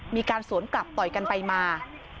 มีการสวนกลับต่อยกันไปมา